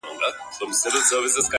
دواړي تلي مي سوځیږي په غرمو ولاړه یمه!!